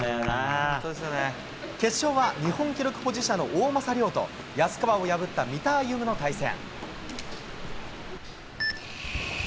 決勝は日本記録保持者の大政涼と安川を破った三田歩夢の対戦。